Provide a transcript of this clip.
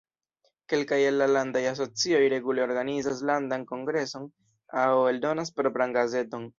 Kelkaj el la landaj asocioj regule organizas landan kongreson aŭ eldonas propran gazeton.